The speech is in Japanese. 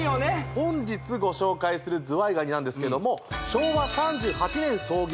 本日ご紹介するズワイガニなんですけども昭和３８年創業